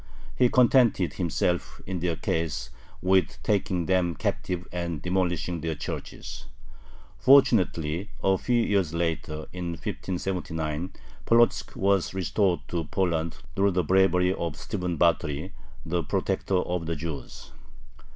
He contented himself in their case with taking them captive and demolishing their churches. Fortunately a few years later, in 1579, Polotzk was restored to Poland through the bravery of Stephen Batory, the protector of the Jews.